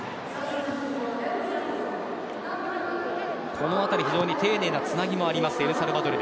このあたり非常に丁寧なつなぎもありますエルサルバドル。